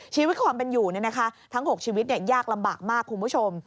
ชีวิตความเป็นอยู่ทั้ง๖ชีวิตยากลำบากมากคุณผู้ชม